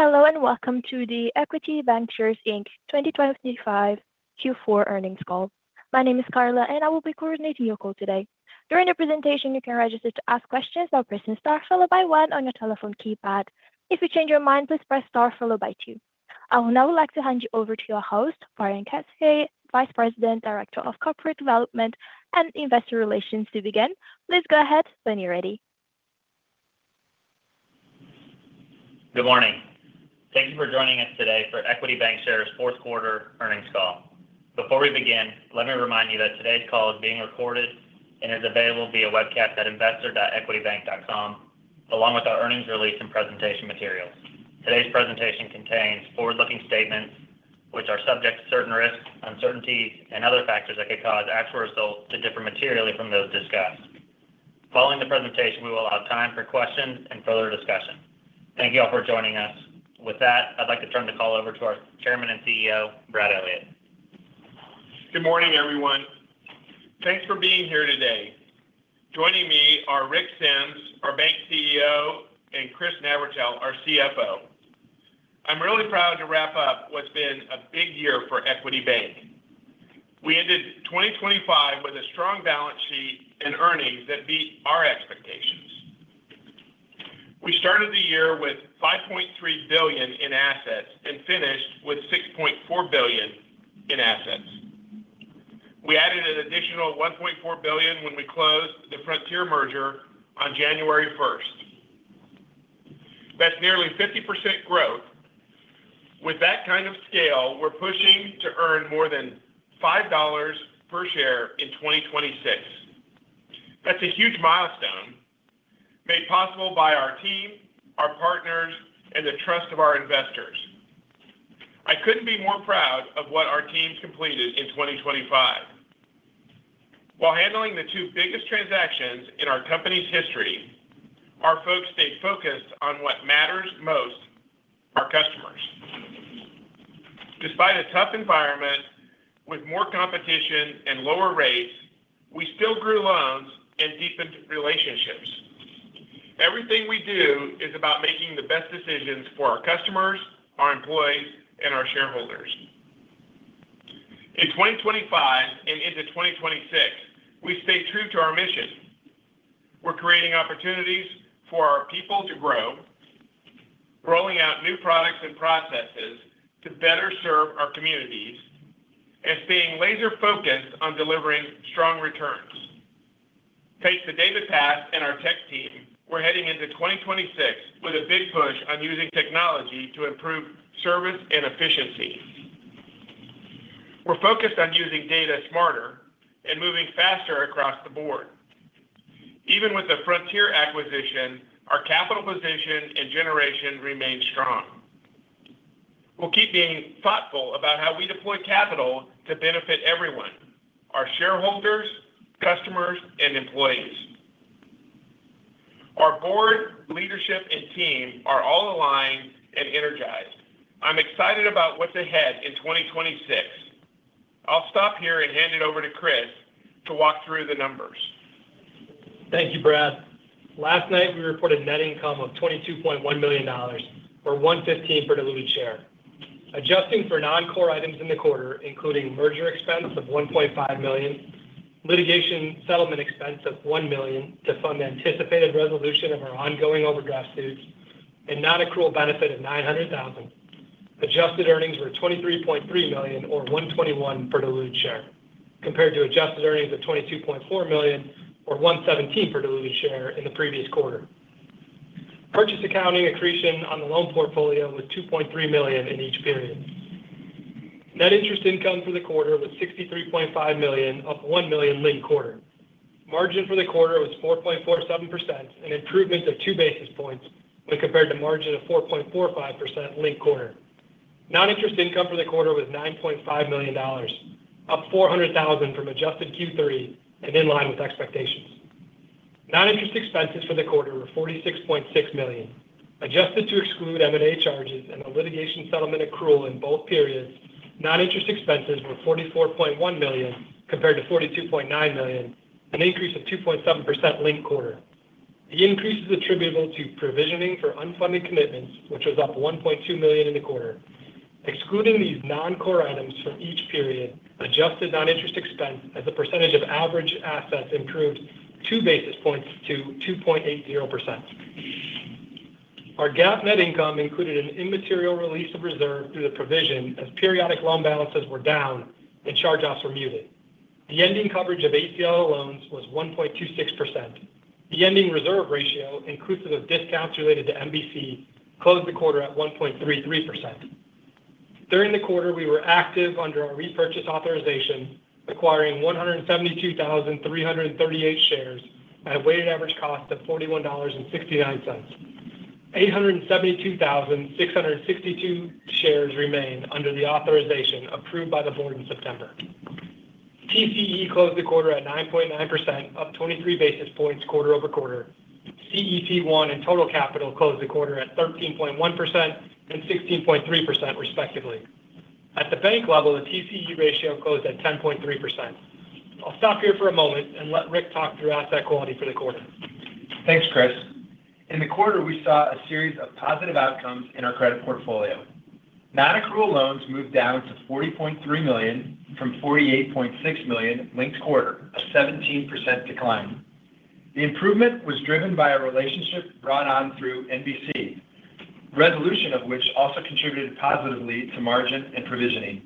Hello and welcome to the Equity Bancshares Inc. 2025 Q4 earnings call. My name is Carla, and I will be coordinating your call today. During the presentation, you can register to ask questions by pressing * followed by 1 on your telephone keypad. If you change your mind, please press star followed by 2. I would now like to hand you over to your host, Brian Katzfey, Vice President, Director of Corporate Development and Investor Relations. To begin, please go ahead when you're ready. Good morning. Thank you for joining us today for Equity Bancshares' Q4 earnings call. Before we begin, let me remind you that today's call is being recorded and is available via webcast at investor.equitybank.com, along with our earnings release and presentation materials. Today's presentation contains forward-looking statements, which are subject to certain risks, uncertainties, and other factors that could cause actual results to differ materially from those discussed. Following the presentation, we will allow time for questions and further discussion. Thank you all for joining us. With that, I'd like to turn the call over to our Chairman and CEO, Brad Elliott. Good morning, everyone. Thanks for being here today. Joining me are Rick Sems, our bank CEO, and Chris Navratil, our CFO. I'm really proud to wrap up what's been a big year for Equity Bank. We ended 2025 with a strong balance sheet and earnings that beat our expectations. We started the year with $5.3 billion in assets and finished with $6.4 billion in assets. We added an additional $1.4 billion when we closed the Frontier merger on January 1st. That's nearly 50% growth. With that kind of scale, we're pushing to earn more than $5 per share in 2026. That's a huge milestone made possible by our team, our partners, and the trust of our investors. I couldn't be more proud of what our team's completed in 2025. While handling the two biggest transactions in our company's history, our folks stayed focused on what matters most: our customers. Despite a tough environment with more competition and lower rates, we still grew loans and deepened relationships. Everything we do is about making the best decisions for our customers, our employees, and our shareholders. In 2025 and into 2026, we stay true to our mission. We're creating opportunities for our people to grow, rolling out new products and processes to better serve our communities, and staying laser-focused on delivering strong returns. Thanks to David Paff and our tech team, we're heading into 2026 with a big push on using technology to improve service and efficiency. We're focused on using data smarter and moving faster across the board. Even with the Frontier acquisition, our capital position and generation remain strong. We'll keep being thoughtful about how we deploy capital to benefit everyone: our shareholders, customers, and employees. Our board, leadership, and team are all aligned and energized. I'm excited about what's ahead in 2026. I'll stop here and hand it over to Chris to walk through the numbers. Thank you, Brad. Last night, we reported net income of $22.1 million or $1.15 per diluted share, adjusting for non-core items in the quarter, including merger expense of $1.5 million, litigation settlement expense of $1 million to fund anticipated resolution of our ongoing overdraft suits, and non-accrual benefit of $900,000. Adjusted earnings were $23.3 million or $1.21 per diluted share, compared to adjusted earnings of $22.4 million or $1.17 per diluted share in the previous quarter. Purchase accounting accretion on the loan portfolio was $2.3 million in each period. Net interest income for the quarter was $63.5 million, up $1 million last quarter. Margin for the quarter was 4.47%, an improvement of 2 basis points when compared to margin of 4.45% last quarter. Non-interest income for the quarter was $9.5 million, up $400,000 from adjusted Q3 and in line with expectations. Non-interest expenses for the quarter were $46.6 million. Adjusted to exclude M&A charges and a litigation settlement accrual in both periods, non-interest expenses were $44.1 million compared to $42.9 million, an increase of 2.7% last quarter. The increase is attributable to provisioning for unfunded commitments, which was up $1.2 million in the quarter. Excluding these non-core items from each period, adjusted non-interest expense as a percentage of average assets improved 2 basis points to 2.80%. Our GAAP net income included an immaterial release of reserve through the provision as periodic loan balances were down and charge-offs were muted. The ending coverage of ACLL loans was 1.26%. The ending reserve ratio, inclusive of discounts related to MBC, closed the quarter at 1.33%. During the quarter, we were active under our repurchase authorization, acquiring 172,338 shares at a weighted average cost of $41.69. 872,662 shares remain under the authorization approved by the board in September. TCE closed the quarter at 9.9%, up 23 basis points quarter-over-quarter. CET1 and Total Capital closed the quarter at 13.1% and 16.3%, respectively. At the bank level, the TCE ratio closed at 10.3%. I'll stop here for a moment and let Rick talk through asset quality for the quarter. Thanks, Chris. In the quarter, we saw a series of positive outcomes in our credit portfolio. Non-accrual loans moved down to $40.3 million from $48.6 million last quarter, a 17% decline. The improvement was driven by a relationship brought on through MBC, resolution of which also contributed positively to margin and provisioning.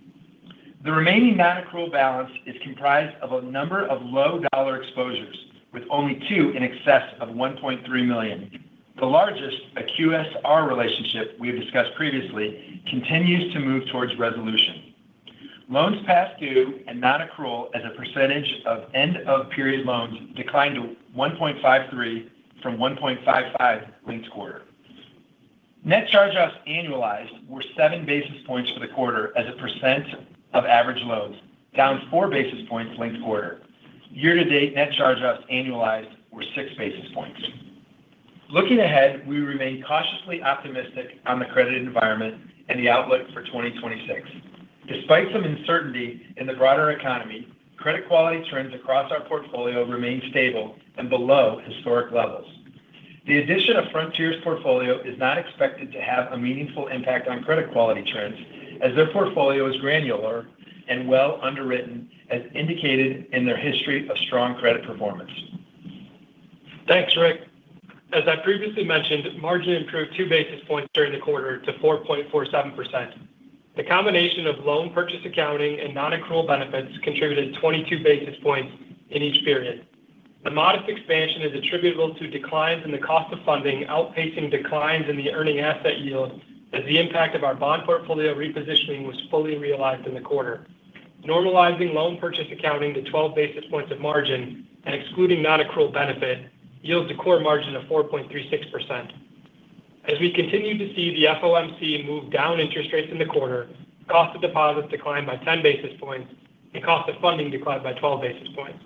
The remaining non-accrual balance is comprised of a number of low-dollar exposures, with only two in excess of $1.3 million. The largest, a QSR relationship we have discussed previously, continues to move towards resolution. Loans past due and non-accrual as a percentage of end-of-period loans declined to 1.53% from 1.55% last quarter. Net charge-offs annualized were seven basis points for the quarter as a percent of average loans, down 4 basis points last quarter. Year-to-date net charge-offs annualized were 6 basis points. Looking ahead, we remain cautiously optimistic on the credit environment and the outlook for 2026. Despite some uncertainty in the broader economy, credit quality trends across our portfolio remain stable and below historic levels. The addition of Frontier's portfolio is not expected to have a meaningful impact on credit quality trends as their portfolio is granular and well underwritten, as indicated in their history of strong credit performance. Thanks, Rick. As I previously mentioned, margin improved 2 basis points during the quarter to 4.47%. The combination of loan purchase accounting and non-accrual benefits contributed 22 basis points in each period. The modest expansion is attributable to declines in the cost of funding outpacing declines in the earning asset yield as the impact of our bond portfolio repositioning was fully realized in the quarter. Normalizing loan purchase accounting to 12 basis points of margin and excluding non-accrual benefit yields a core margin of 4.36%. As we continue to see the FOMC move down interest rates in the quarter, cost of deposits declined by 10 basis points and cost of funding declined by 12 basis points.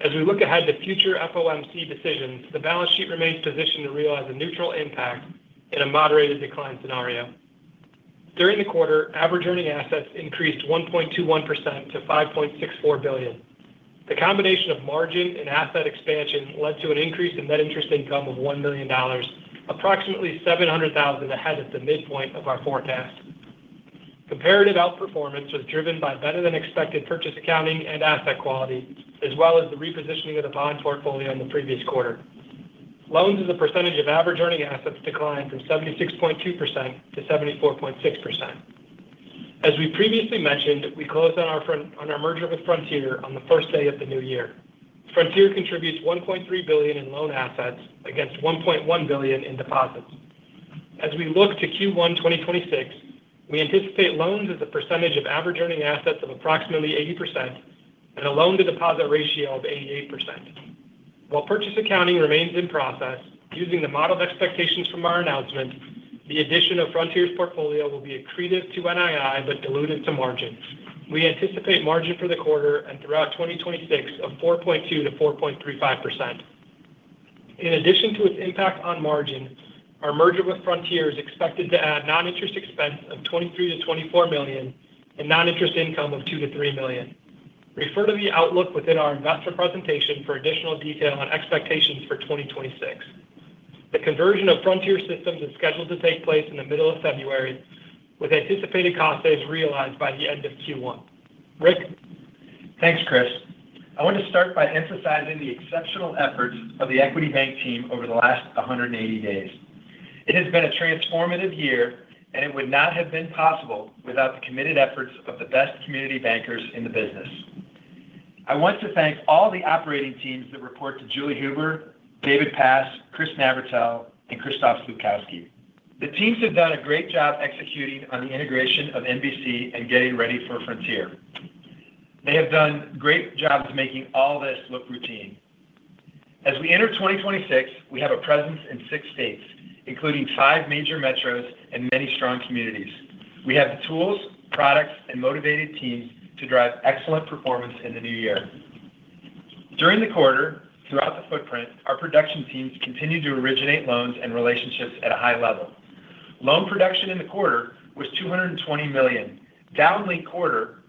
As we look ahead to future FOMC decisions, the balance sheet remains positioned to realize a neutral impact in a moderated decline scenario. During the quarter, average earning assets increased 1.21% to $5.64 billion. The combination of margin and asset expansion led to an increase in net interest income of $1 million, approximately $700,000 ahead of the midpoint of our forecast. Comparative outperformance was driven by better-than-expected purchase accounting and asset quality, as well as the repositioning of the bond portfolio in the previous quarter. Loans as a percentage of average earning assets declined from 76.2% to 74.6%. As we previously mentioned, we closed on our merger with Frontier on the first day of the new year. Frontier contributes $1.3 billion in loan assets against $1.1 billion in deposits. As we look to Q1 2026, we anticipate loans as a percentage of average earning assets of approximately 80% and a loan-to-deposit ratio of 88%. While purchase accounting remains in process, using the modeled expectations from our announcement, the addition of Frontier's portfolio will be accretive to NII but diluted to margin. We anticipate margin for the quarter and throughout 2026 of 4.2%-4.35%. In addition to its impact on margin, our merger with Frontier is expected to add non-interest expense of $23 million-$24 million and non-interest income of $2 million-$3 million. Refer to the outlook within our investor presentation for additional detail on expectations for 2026. The conversion of Frontier systems is scheduled to take place in the middle of February, with anticipated cost savings realized by the end of Q1. Rick. Thanks, Chris. I want to start by emphasizing the exceptional efforts of the Equity Bank team over the last 180 days. It has been a transformative year, and it would not have been possible without the committed efforts of the best community bankers in the business. I want to thank all the operating teams that report to Julie Huber, David Paff, Chris Navratil, and Krzysztof Slupkowski. The teams have done a great job executing on the integration of MBC and getting ready for Frontier. They have done great jobs making all this look routine. As we enter 2026, we have a presence in six states, including five major metros and many strong communities. We have the tools, products, and motivated teams to drive excellent performance in the new year. During the quarter, throughout the footprint, our production teams continue to originate loans and relationships at a high level. Loan production in the quarter was $220 million, down late quarter,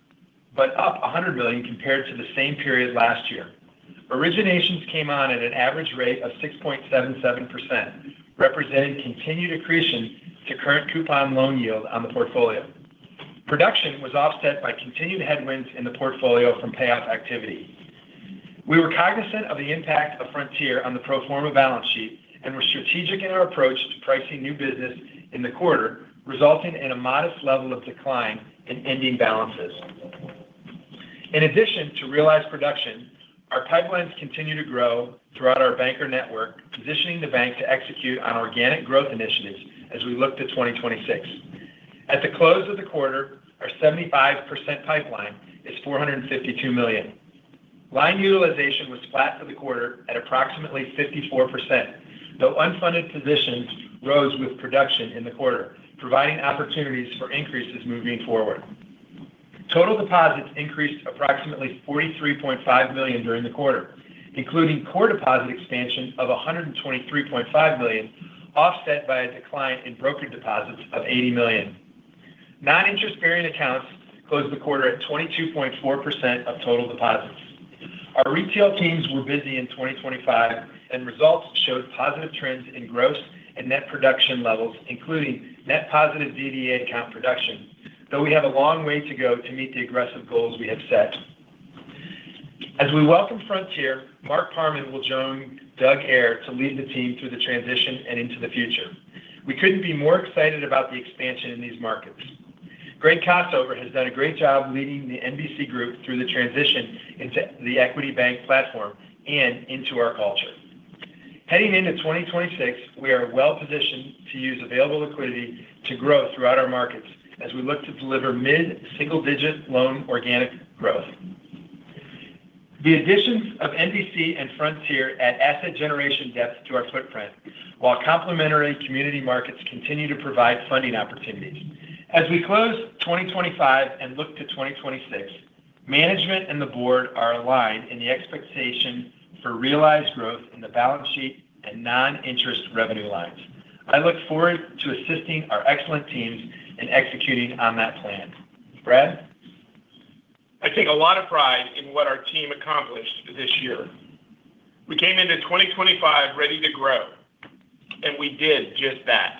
but up $100 million compared to the same period last year. Originations came on at an average rate of 6.77%, representing continued accretion to current coupon loan yield on the portfolio. Production was offset by continued headwinds in the portfolio from payoff activity. We were cognizant of the impact of Frontier on the pro forma balance sheet and were strategic in our approach to pricing new business in the quarter, resulting in a modest level of decline in ending balances. In addition to realized production, our pipelines continue to grow throughout our banker network, positioning the bank to execute on organic growth initiatives as we look to 2026. At the close of the quarter, our 75% pipeline is $452 million. Line utilization was flat for the quarter at approximately 54%, though unfunded positions rose with production in the quarter, providing opportunities for increases moving forward. Total deposits increased approximately $43.5 million during the quarter, including core deposit expansion of $123.5 million, offset by a decline in brokered deposits of $80 million. Non-interest bearing accounts closed the quarter at 22.4% of total deposits. Our retail teams were busy in 2025, and results showed positive trends in gross and net production levels, including net positive DDA account production, though we have a long way to go to meet the aggressive goals we have set. As we welcome Frontier, Mark Parman will join Doug Eyer to lead the team through the transition and into the future. We couldn't be more excited about the expansion in these markets. Greg Cossover has done a great job leading the MBC group through the transition into the Equity Bank platform and into our culture. Heading into 2026, we are well positioned to use available liquidity to grow throughout our markets as we look to deliver mid-single-digit loan organic growth. The additions of MBC and Frontier add asset generation depth to our footprint, while complementary community markets continue to provide funding opportunities. As we close 2025 and look to 2026, management and the board are aligned in the expectation for realized growth in the balance sheet and non-interest revenue lines. I look forward to assisting our excellent teams in executing on that plan. Brad? I take a lot of pride in what our team accomplished this year. We came into 2025 ready to grow, and we did just that,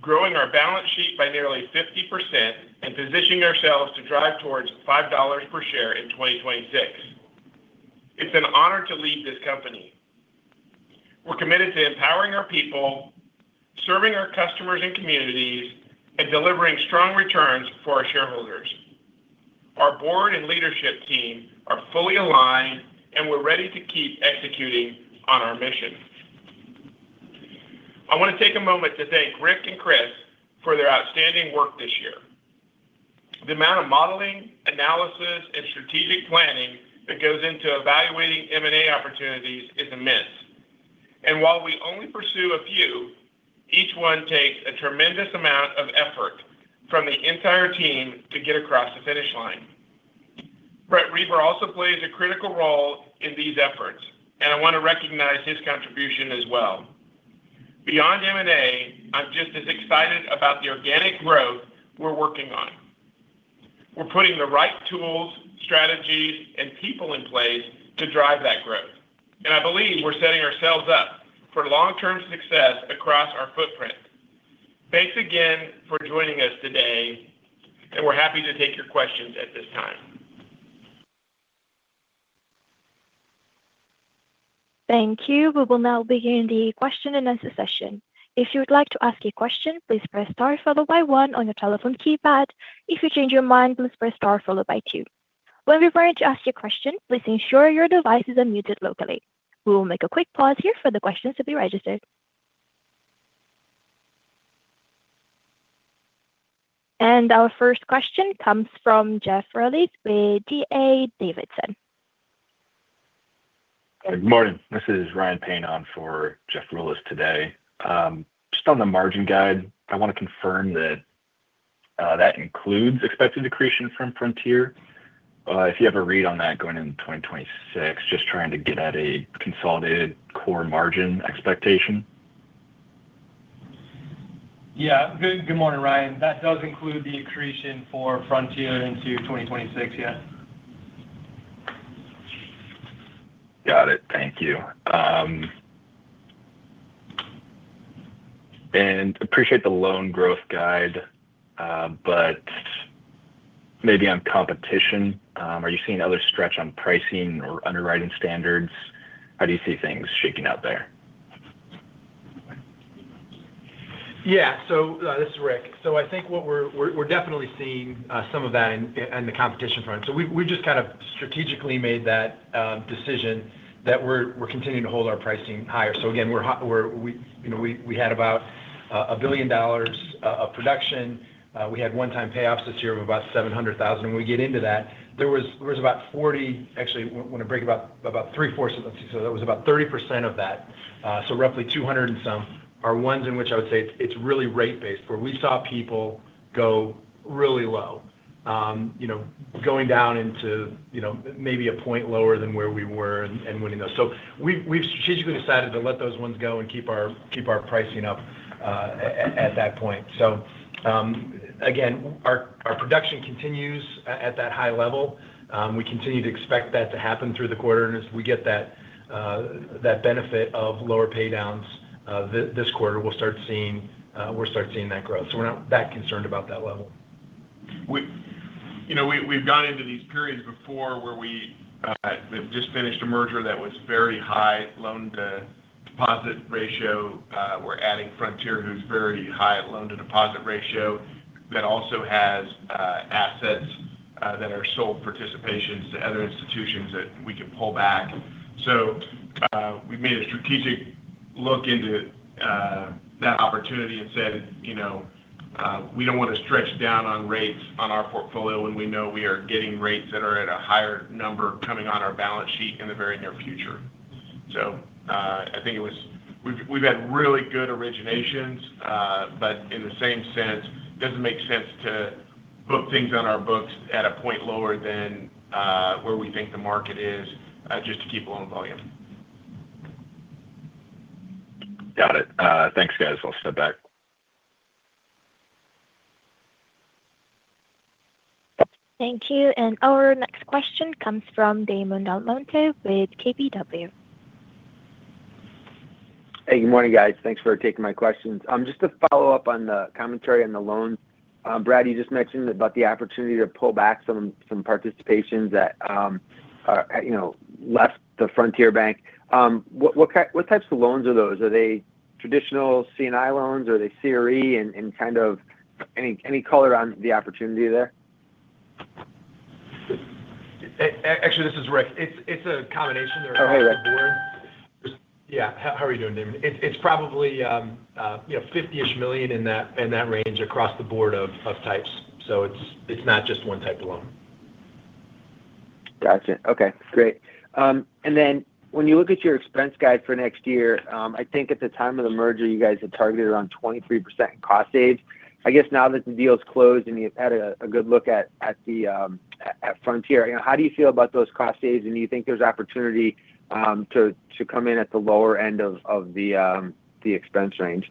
growing our balance sheet by nearly 50% and positioning ourselves to drive towards $5 per share in 2026. It's an honor to lead this company. We're committed to empowering our people, serving our customers and communities, and delivering strong returns for our shareholders. Our board and leadership team are fully aligned, and we're ready to keep executing on our mission. I want to take a moment to thank Rick and Chris for their outstanding work this year. The amount of modeling, analysis, and strategic planning that goes into evaluating M&A opportunities is immense, and while we only pursue a few, each one takes a tremendous amount of effort from the entire team to get across the finish line. Brett Reber also plays a critical role in these efforts, and I want to recognize his contribution as well. Beyond M&A, I'm just as excited about the organic growth we're working on. We're putting the right tools, strategies, and people in place to drive that growth. And I believe we're setting ourselves up for long-term success across our footprint. Thanks again for joining us today, and we're happy to take your questions at this time. Thank you. We will now begin the question and answer session. If you would like to ask a question, please press star followed by one on your telephone keypad. If you change your mind, please press star followed by two. When we're ready to ask your question, please ensure your device is unmuted locally. We will make a quick pause here for the questions to be registered, and our first question comes from Jeff Rulis with D.A. Davidson. Good morning. This is Ryan Payne on for Jeff Rulis today. Just on the margin guide, I want to confirm that that includes expected accretion from Frontier. If you have a read on that going into 2026, just trying to get at a consolidated core margin expectation. Yeah. Good morning, Ryan. That does include the accretion for Frontier into 2026, yes. Got it. Thank you and appreciate the loan growth guide, but maybe on competition, are you seeing other stretch on pricing or underwriting standards? How do you see things shaking out there? Yeah. So this is Rick. So I think we're definitely seeing some of that on the competition front. So we've just kind of strategically made that decision that we're continuing to hold our pricing higher. So again, we had about $1 billion of production. We had one-time payoffs this year of about $700,000. When we get into that, there was about 40, actually, I want to break it up about 3/4. So that was about 30% of that, so roughly 200 and some. Our ones in which I would say it's really rate-based, where we saw people go really low, going down into maybe a point lower than where we were and winning those. So we've strategically decided to let those ones go and keep our pricing up at that point. So again, our production continues at that high level. We continue to expect that to happen through the quarter. And as we get that benefit of lower pay downs this quarter, we'll start seeing that growth. So we're not that concerned about that level. We've gone into these periods before where we just finished a merger that was very high loan-to-deposit ratio. We're adding Frontier, who's very high loan-to-deposit ratio, that also has assets that are sold participations to other institutions that we can pull back, so we made a strategic look into that opportunity and said, "We don't want to stretch down on rates on our portfolio when we know we are getting rates that are at a higher number coming on our balance sheet in the very near future," so I think it was. We've had really good originations, but in the same sense, it doesn't make sense to put things on our books at a point lower than where we think the market is just to keep loan volume. Got it. Thanks, guys. I'll step back. Thank you. And our next question comes from Damon DelMonte with KBW. Hey, good morning, guys. Thanks for taking my questions. Just to follow up on the commentary on the loans, Brad, you just mentioned about the opportunity to pull back some participations that left the Frontier Bank. What types of loans are those? Are they traditional C&I loans? Are they CRE? And kind of any color on the opportunity there? Actually, this is Rick. It's a combination. Oh, hey, Rick. Yeah. How are you doing, Damon? It's probably $50-ish million in that range across the board of types. So it's not just one type of loan. Gotcha. Okay. Great. And then when you look at your expense guide for next year, I think at the time of the merger, you guys had targeted around 23% in cost saves. I guess now that the deal's closed and you've had a good look at Frontier, how do you feel about those cost saves? And do you think there's opportunity to come in at the lower end of the expense range?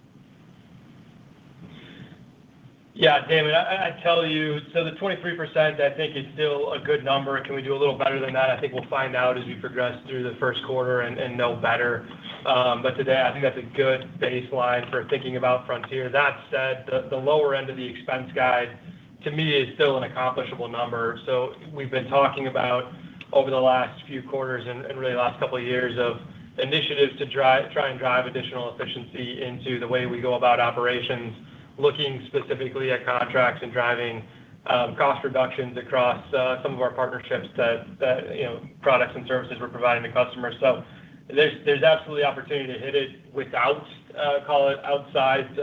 Yeah, Damon, I tell you, so the 23%, I think it's still a good number. Can we do a little better than that? I think we'll find out as we progress through the Q1 and know better but today, I think that's a good baseline for thinking about Frontier. That said, the lower end of the expense guide, to me, is still an accomplishable number, so we've been talking about over the last few quarters and really last couple of years of initiatives to try and drive additional efficiency into the way we go about operations, looking specifically at contracts and driving cost reductions across some of our partnerships that products and services we're providing to customers, so there's absolutely opportunity to hit it without outside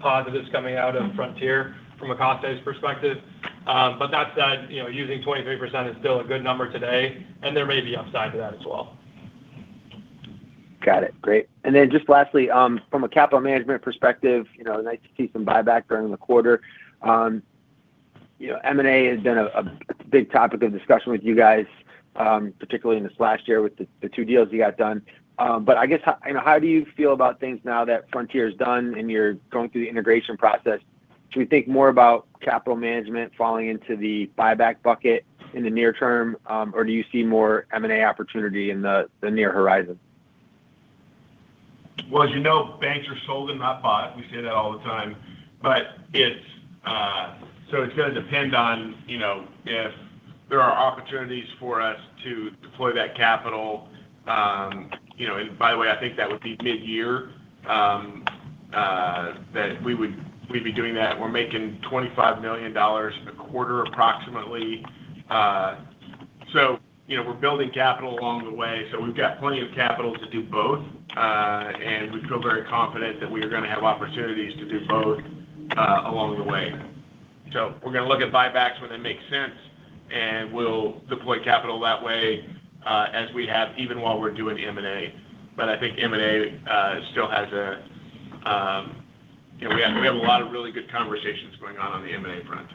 positives coming out of Frontier from a cost savings perspective. But that said, using 23% is still a good number today, and there may be upside to that as well. Got it. Great. And then just lastly, from a capital management perspective, nice to see some buyback during the quarter. M&A has been a big topic of discussion with you guys, particularly in this last year with the two deals you got done. But I guess, how do you feel about things now that Frontier is done and you're going through the integration process? Do we think more about capital management falling into the buyback bucket in the near term, or do you see more M&A opportunity in the near horizon? As you know, banks are sold and not bought. We say that all the time. But so it's going to depend on if there are opportunities for us to deploy that capital. And by the way, I think that would be mid-year that we would be doing that. We're making $25 million a quarter, approximately. So we're building capital along the way. So we've got plenty of capital to do both. And we feel very confident that we are going to have opportunities to do both along the way. So we're going to look at buybacks when they make sense, and we'll deploy capital that way as we have even while we're doing M&A. But I think M&A still has a... we have a lot of really good conversations going on on the M&A front.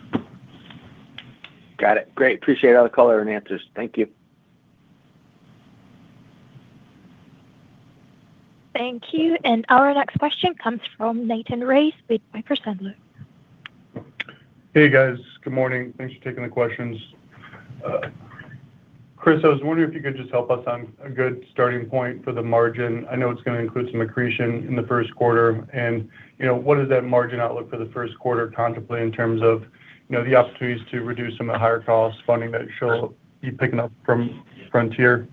Got it. Great. Appreciate all the color and answers. Thank you. Thank you. And our next question comes from Nathan Race with Piper Sandler. Hey, guys. Good morning. Thanks for taking the questions. Chris, I was wondering if you could just help us on a good starting point for the margin. I know it's going to include some accretion in the Q1, and what does that margin outlook for the Q1 contemplate in terms of the opportunities to reduce some of the higher cost funding that you'll be picking up from Frontier?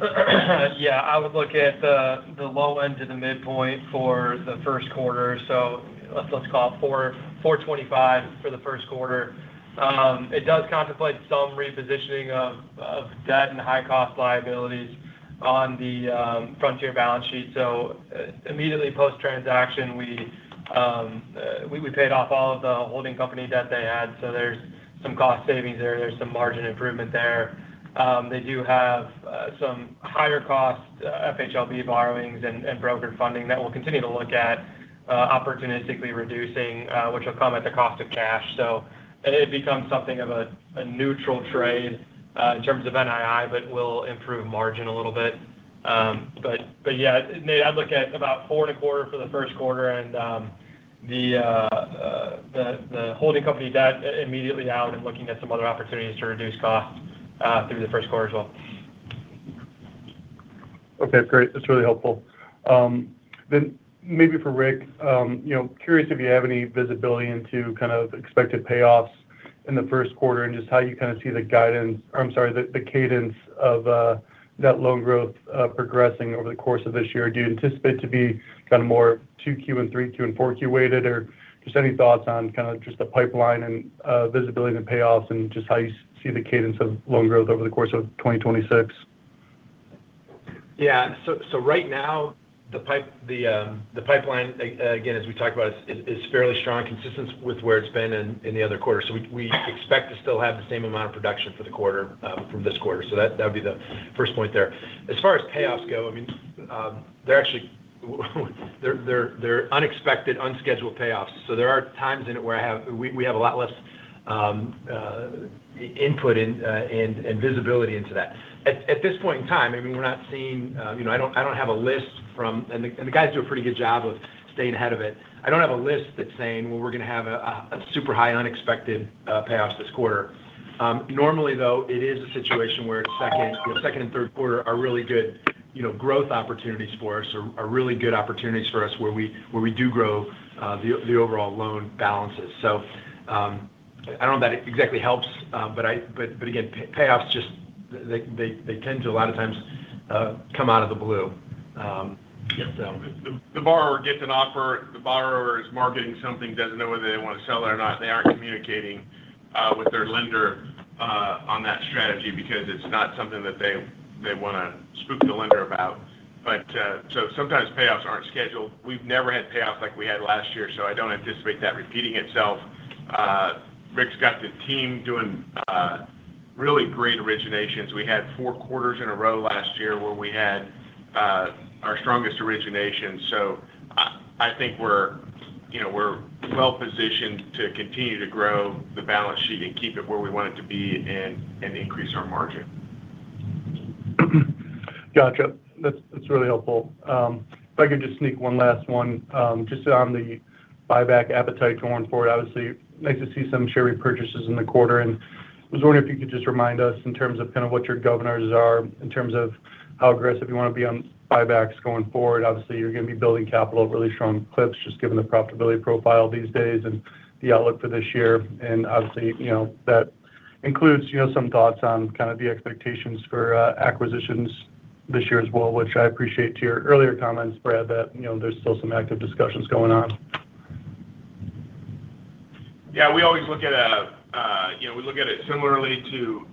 Yeah. I would look at the low end to the midpoint for the Q1. So let's call it 4.25 for the Q1. It does contemplate some repositioning of debt and high-cost liabilities on the Frontier balance sheet. So immediately post-transaction, we paid off all of the holding company debt they had. So there's some cost savings there. There's some margin improvement there. They do have some higher-cost FHLB borrowings and brokered funding that we'll continue to look at opportunistically reducing, which will come at the cost of cash. So it becomes something of a neutral trade in terms of NII, but will improve margin a little bit. But yeah, I'd look at about 4.25 for the Q1 and the holding company debt immediately out and looking at some other opportunities to reduce cost through the Q1 as well. Okay. Great. That's really helpful. Then maybe for Rick, curious if you have any visibility into kind of expected payoffs in the Q1 and just how you kind of see the guidance, I'm sorry, the cadence of that loan growth progressing over the course of this year. Do you anticipate to be kind of more 2Q and 3Q and 4Q weighted, or just any thoughts on kind of just the pipeline and visibility and payoffs and just how you see the cadence of loan growth over the course of 2026? Yeah, so right now, the pipeline, again, as we talked about, is fairly strong, consistent with where it's been in the other quarter, so we expect to still have the same amount of production for the quarter from this quarter. So that would be the first point there. As far as payoffs go, I mean, they're unexpected, unscheduled payoffs, so there are times in it where we have a lot less input and visibility into that. At this point in time, I mean, we're not seeing. I don't have a list from, and the guys do a pretty good job of staying ahead of it. I don't have a list that's saying, "Well, we're going to have a super high unexpected payoffs this quarter." Normally, though, it is a situation where the second and Q3 are really good growth opportunities for us, are really good opportunities for us where we do grow the overall loan balances. So I don't know if that exactly helps, but again, payoffs, they tend to a lot of times come out of the blue. The borrower gets an offer. The borrower is marketing something, doesn't know whether they want to sell it or not. They aren't communicating with their lender on that strategy because it's not something that they want to spook the lender about. So sometimes payoffs aren't scheduled. We've never had payoffs like we had last year, so I don't anticipate that repeating itself. Rick's got the team doing really great originations. We had four quarters in a row last year where we had our strongest origination. So I think we're well-positioned to continue to grow the balance sheet and keep it where we want it to be and increase our margin. Gotcha. That's really helpful. If I could just sneak one last one, just on the buyback appetite going forward. Obviously, nice to see some share repurchases in the quarter. And I was wondering if you could just remind us in terms of kind of what your governors are in terms of how aggressive you want to be on buybacks going forward. Obviously, you're going to be building capital at really strong clips just given the profitability profile these days and the outlook for this year. And obviously, that includes some thoughts on kind of the expectations for acquisitions this year as well, which I appreciate to your earlier comments, Brad, that there's still some active discussions going on. Yeah. We always look at it similarly to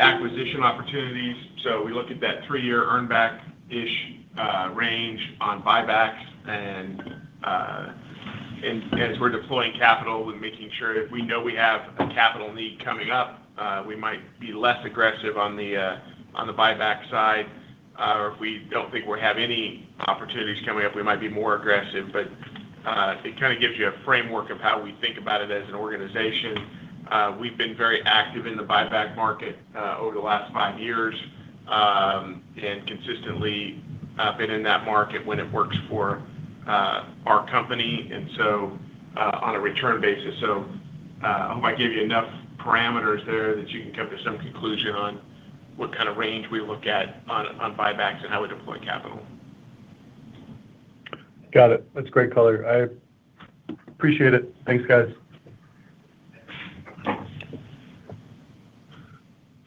acquisition opportunities. So we look at that three-year earnback-ish range on buybacks. And as we're deploying capital and making sure if we know we have a capital need coming up, we might be less aggressive on the buyback side. Or if we don't think we have any opportunities coming up, we might be more aggressive. But it kind of gives you a framework of how we think about it as an organization. We've been very active in the buyback market over the last five years and consistently been in that market when it works for our company and so on a return basis. So I hope I gave you enough parameters there that you can come to some conclusion on what kind of range we look at on buybacks and how we deploy capital. Got it. That's great color. I appreciate it. Thanks, guys.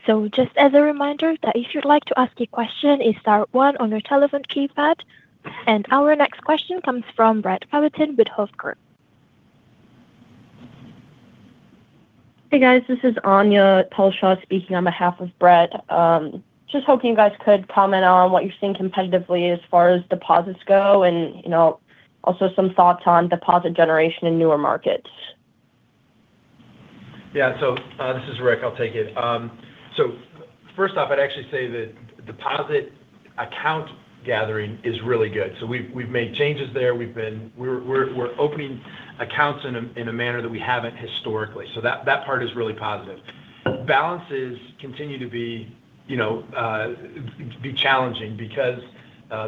So just as a reminder that if you'd like to ask a question, it's star one on your telephone keypad. And our next question comes from Brett Rabatin with Hovde Group. Hey, guys. This is Anya Polshaw speaking on behalf of Brad. Just hoping you guys could comment on what you're seeing competitively as far as deposits go and also some thoughts on deposit generation in newer markets. Yeah. So this is Rick. I'll take it. So first off, I'd actually say that deposit account gathering is really good. So we've made changes there. We're opening accounts in a manner that we haven't historically. So that part is really positive. Balances continue to be challenging because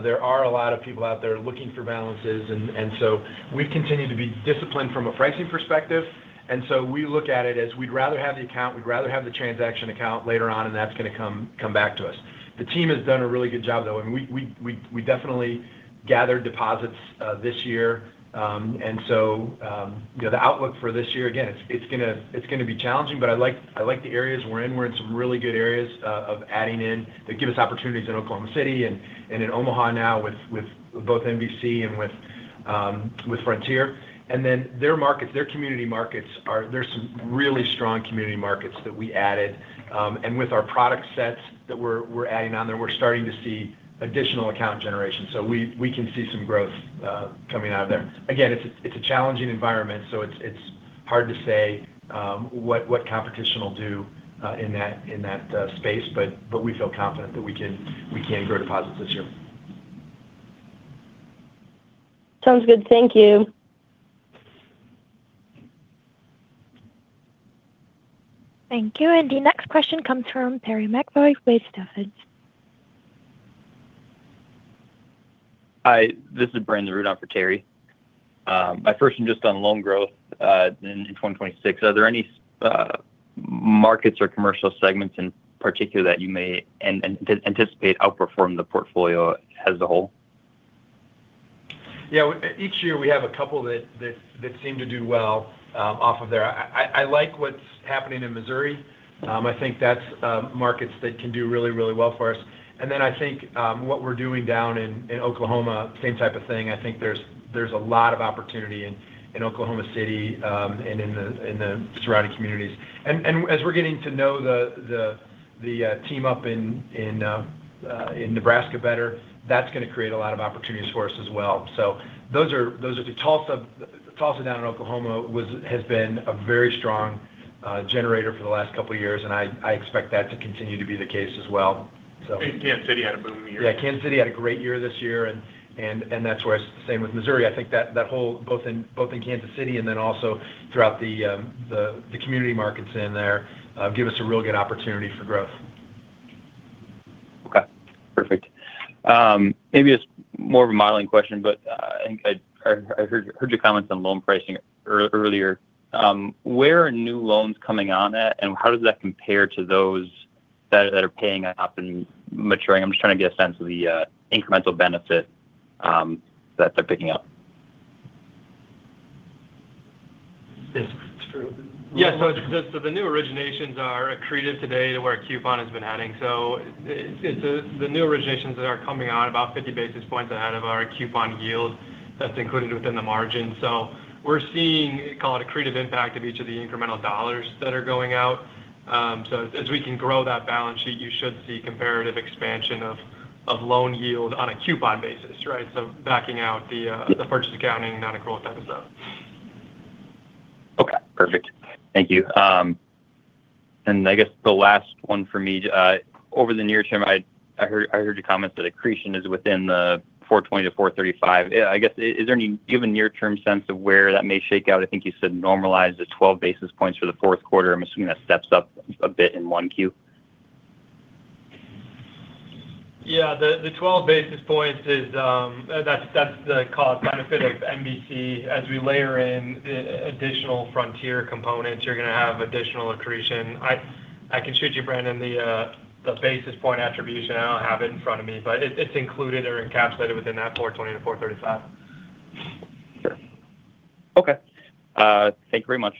there are a lot of people out there looking for balances. And so we've continued to be disciplined from a pricing perspective. And so we look at it as we'd rather have the account, we'd rather have the transaction account later on, and that's going to come back to us. The team has done a really good job, though. I mean, we definitely gathered deposits this year. And so the outlook for this year, again, it's going to be challenging, but I like the areas we're in. We're in some really good areas of adding in that give us opportunities in Oklahoma City and in Omaha now with both NBC and with Frontier. And then their markets, their community markets, there's some really strong community markets that we added. And with our product sets that we're adding on there, we're starting to see additional account generation. So we can see some growth coming out of there. Again, it's a challenging environment, so it's hard to say what competition will do in that space, but we feel confident that we can grow deposits this year. Sounds good. Thank you. Thank you. And the next question comes from Terry McEvoy with Stephens. Hi. This is Brandon Rudolph with Terry. My first one just on loan growth in 2026. Are there any markets or commercial segments in particular that you may anticipate outperform the portfolio as a whole? Yeah. Each year, we have a couple that seem to do well off of there. I like what's happening in Missouri. I think that's markets that can do really, well for us. And then I think what we're doing down in Oklahoma, same type of thing. I think there's a lot of opportunity in Oklahoma City and in the surrounding communities. And as we're getting to know the team up in Nebraska better, that's going to create a lot of opportunities for us as well. So those are the toss-ups. Tulsa down in Oklahoma has been a very strong generator for the last couple of years, and I expect that to continue to be the case as well, so. Kansas City had a booming year. Yeah. Kansas City had a great year this year, and that's where it's the same with Missouri. I think that both in Kansas City and then also throughout the community markets in there give us a real good opportunity for growth. Okay. Perfect. Maybe it's more of a modeling question, but I heard your comments on loan pricing earlier. Where are new loans coming on at, and how does that compare to those that are paying up and maturing? I'm just trying to get a sense of the incremental benefit that they're picking up. Yeah. So the new originations are accretive today to where a coupon has been adding. So the new originations that are coming on about 50 basis points ahead of our coupon yield that's included within the margin. So we're seeing an accretive impact of each of the incremental dollars that are going out. So as we can grow that balance sheet, you should see comparative expansion of loan yield on a coupon basis, right? So backing out the purchase accounting, not a growth type of stuff. Okay. Perfect. Thank you. And I guess the last one for me, over the near term, I heard your comments that accretion is within the 420-435. I guess, do you have a near-term sense of where that may shake out? I think you said normalize to 12 basis points for the Q4. I'm assuming that steps up a bit in 1Q. Yeah. The 12 basis points, that's the cost benefit of NBC. As we layer in additional Frontier components, you're going to have additional accretion. I can shoot you, Brandon, the basis point attribution. I don't have it in front of me, but it's included or encapsulated within that 4.20%-4.35%. Okay. Thank you very much.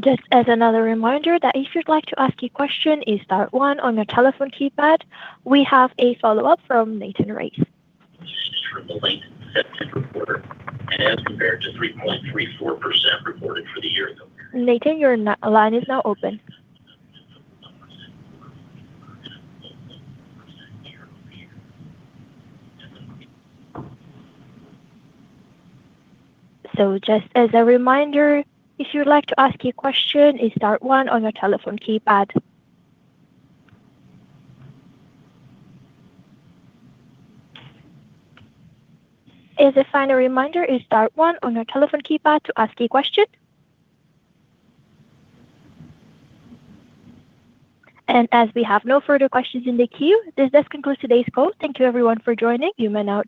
Just as another reminder that if you'd like to ask a question, it's star one on your telephone keypad. We have a follow-up from Nathan Race. This is the triple-length sentence recorder. And as compared to 3.34% reported a year ago. Nathan, your line is now open. So just as a reminder, if you'd like to ask a question, it's star one on your telephone keypad. This is a final reminder, it's star one on your telephone keypad to ask a question. And as we have no further questions in the queue, this does conclude today's call. Thank you, everyone, for joining. You may now.